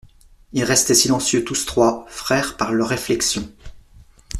Ils restaient silencieux tous trois, frères par leurs réflexions.